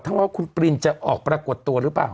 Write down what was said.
ว่าคุณปรินจะออกปรากฏตัวหรือเปล่า